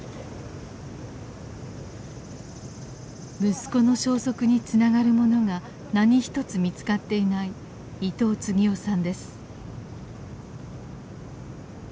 息子の消息につながるものが何一つ見つかっていない伊東次男さんです。